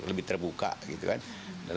lebih terbuka gitu kan